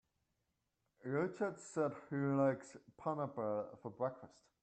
Rachid said he likes pineapple for breakfast.